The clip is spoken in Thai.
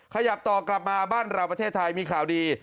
ขยับต่อกลับมาบ้านเราประเทศไทยมีข่าวดี